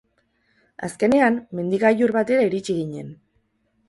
Azkenean, mendi-gailur batera iritsi ginen.